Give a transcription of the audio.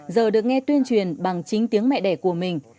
giờ được nghe tuyên truyền bằng chính tiếng mẹ đẻ của mình